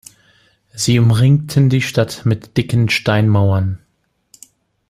Sie umringten die Stadt mit dicken Steinmauern.